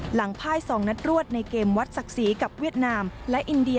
พ่าย๒นัดรวดในเกมวัดศักดิ์ศรีกับเวียดนามและอินเดีย